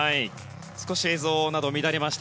少し映像が乱れました。